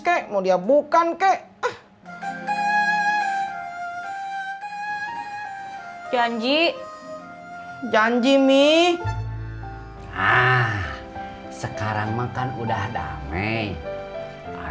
ayo canggih janji nih sekarang makan udah damai people